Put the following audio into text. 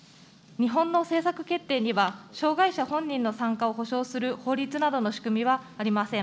日本の政策決定には、障害者本人の参加を保障する法律などの仕組みはありません。